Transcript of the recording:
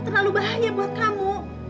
terlalu bahaya buat kamu